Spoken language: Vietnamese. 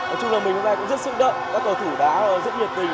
ở chung là mình cũng rất sự đợi các cầu thủ đã rất nhiệt tình